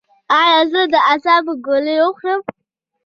ایا زه د اعصابو ګولۍ وخورم؟